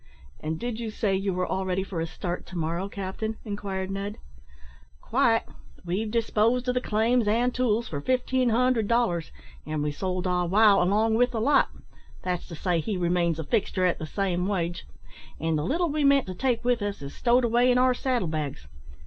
"And did you say you were all ready for a start to morrow, captain?" inquired Ned. "Quite. We've disposed of the claims and tools for fifteen hundred dollars, an' we sold Ah wow along with the lot; that's to say, he remains a fixture at the same wage; and the little we meant to take with us is stowed away in our saddle bags.